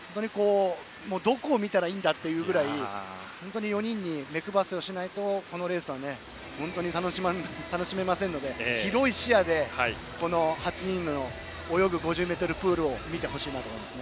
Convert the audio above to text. どこを見たらいいんだというぐらい本当に４人に目配せをしないとこのレースは楽しめませんので広い視野で、この８人が泳ぐ５０ｍプールを見てほしいなと思います。